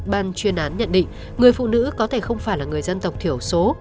ban chuyên án nhận định người phụ nữ có thể không phải là người dân tộc thiểu số